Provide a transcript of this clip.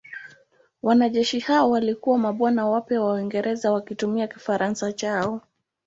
Wanajeshi hao walikuwa mabwana wapya wa Uingereza wakitumia Kifaransa chao.